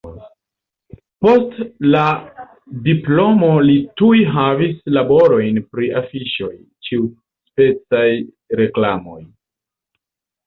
Post la diplomo li tuj havis laborojn pri afiŝoj, ĉiuspecaj reklamoj.